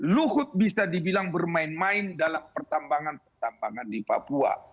luhut bisa dibilang bermain main dalam pertambangan pertambangan di papua